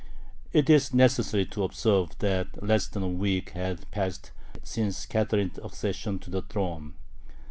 It is necessary to observe that less than a week had passed since Catherine's accession to the throne.